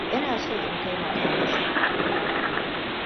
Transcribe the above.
Ina so in taimaka masa.